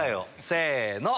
せの！